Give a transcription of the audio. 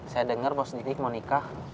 saya dengar mau sendiri mau nikah